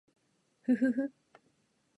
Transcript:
ふふふ